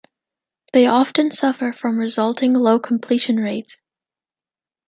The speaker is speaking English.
They often suffer from resulting low completion rates.